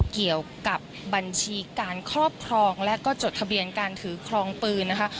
เกี่ยวกับบัญชีการครอบครองและก็จดทะเบียนการถือครองปืนนะคะ